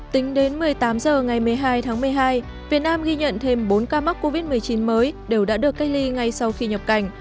tính đến một mươi tám h ngày một mươi hai tháng một mươi hai việt nam ghi nhận thêm bốn ca mắc covid một mươi chín mới đều đã được cách ly ngay sau khi nhập cảnh